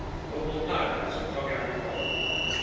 Vogel nodded as he took out his wallet.